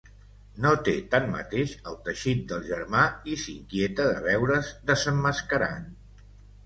No té tanmateix el teixit del germà i s'inquieta de veure's desemmascarat.